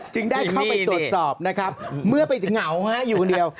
จึงได้เข้าไปตรวจสอบนะครับเมื่อไปถึงเหงาอยู่คนเดียว